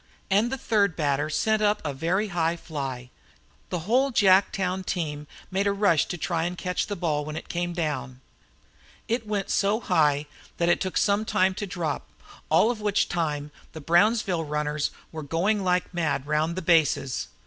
And the third hitter sent up a very high fly. The whole Jacktown team made a rush to try to catch the ball when it came down. It went so high that it took sometime to drop, all of which time the Brownsville runners were going like mad round the bases.